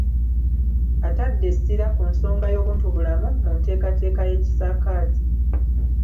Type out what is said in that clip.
Atadde essira ku nsonga y’obuntubulamu mu nteekateeka y’ekisaakaate.